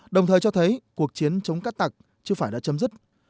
đồng thời cho thấy cuộc chiến chống cát tặc chưa phải đã chấm dứt